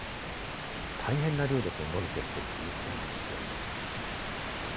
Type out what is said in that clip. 大変な量で伸びているということなんですよ。